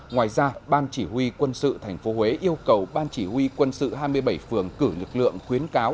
ngoài ra ban chỉ huy quân sự tp huế yêu cầu ban chỉ huy quân sự hai mươi bảy phường cử lực lượng khuyến cáo